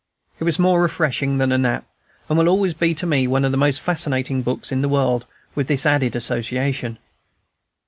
It was more refreshing than a nap, and will always be to me one of the most fascinating books in the world, with this added association.